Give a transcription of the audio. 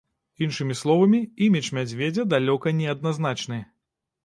Іншымі словамі, імідж мядзведзя далёка не адназначны.